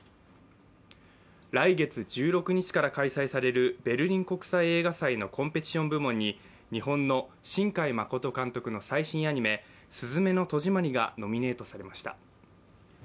来月１６日から開催されるベルリン国際映画祭のコンペティション部門に日本の新海誠監督の最新アニメ、「すずめの戸締まり」がノミネートされました。